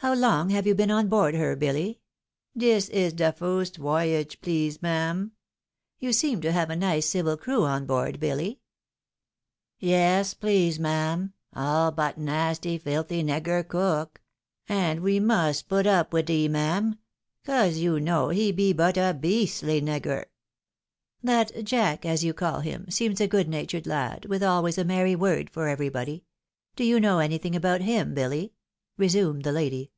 How long have you been on board her, BiUy ?"" Dis is de fust woyage, please, mam." " You seem to have a nice civil crew on board, Billy." " Yes, please, mam ; aU but nasty filthy negur cook ; and we must put up wid he, mam, 'cause you know he be but a beastly negur." 64 THE WIDOW MAI^KIED. " Tliat Jack, as you call him, seems a good natured lad, with always a merry word for everybody. l5o you know any thing about him, Billy? " resumed the lady.